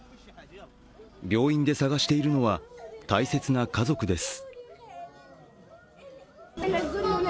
病院で探しているのは大切な家族です。